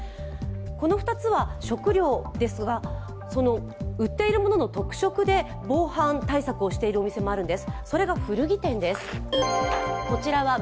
この２つは食料ですが、売っているものの特色で防犯対策をしているお店があるんです。